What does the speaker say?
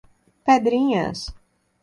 Pedrinhas